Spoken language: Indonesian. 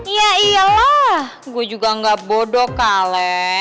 ya iyalah gue juga gak bodoh kale